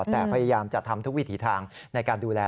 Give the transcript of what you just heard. แต่พยายามจะทำทุกวิถีทางในการดูแล